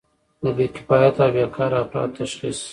د بې کفایته او بیکاره افرادو تشخیص.